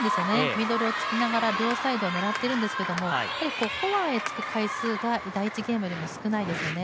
ミドルをつきながら両サイドを狙っているんですけど、フォアへ突く回数が第１ゲームよりも少ないですよね。